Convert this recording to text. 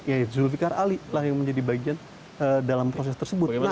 ya zulfiqar ali lah yang menjadi bagian dalam proses tersebut